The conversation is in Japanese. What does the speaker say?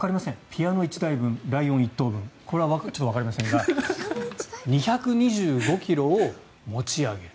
ピアノ１台分ライオン１頭分これはちょっとわかりませんが２２５ｋｇを持ち上げる。